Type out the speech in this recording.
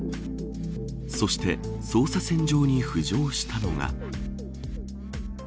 そして捜査線上に浮上したのが。